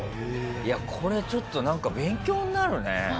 いやこれちょっとなんか勉強になるね。